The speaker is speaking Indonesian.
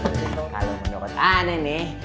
kalo menurut aneh nih